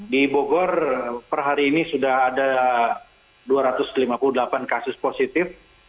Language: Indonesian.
di bogor per hari ini sudah ada dua ratus lima puluh delapan kasus positif